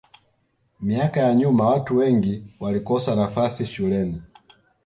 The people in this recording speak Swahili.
miaka ya nyuma watu wengi walikosa nafasi shuleni